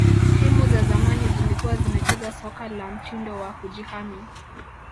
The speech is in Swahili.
timu za zamani zilikuwa zinacheza soka la mtindo wa kujihami